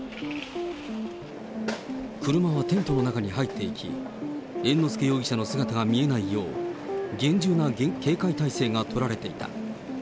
車はテントの中に入っていき、猿之助容疑者の姿が見えないよう、厳重な警戒態勢が取られていた。